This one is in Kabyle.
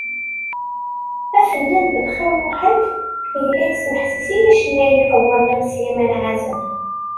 Afennan Belxir Muḥend, yella yesmeḥsis i yicennayen iqburen am Sliman Ɛazem.